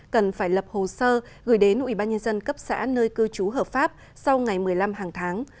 cần phải lập hồ sơ gửi đến ủy ban nhân dân cấp xã nơi cư trú hợp pháp sau ngày một mươi năm hàng tháng